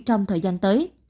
trong thời gian tới